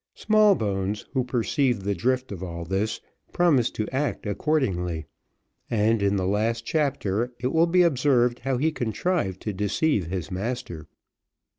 Smallbones, who perceived the drift of all this, promised to act accordingly, and in the last chapter it will be observed how he contrived to deceive his master.